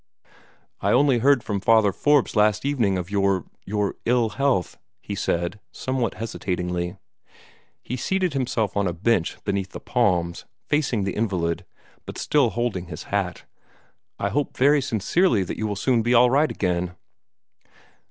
"I only heard from Father Forbes last evening of your your ill health," he said, somewhat hesitatingly. He seated himself on a bench beneath the palms, facing the invalid, but still holding his hat. "I hope very sincerely that you will soon be all right again."